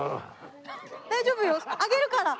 大丈夫よあげるから。